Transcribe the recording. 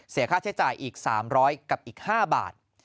ค่าใช้จ่ายอีก๓๐๐กับอีก๕บาท